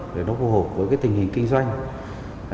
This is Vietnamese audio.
để nó phù hợp với cái tình hình kinh doanh